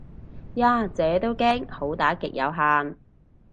呀姐都驚好打極有限